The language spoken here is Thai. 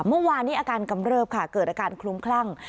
เมื่อวานนี้อาการกำเริบค่ะเกิดอาการคลุ้มคลั่ง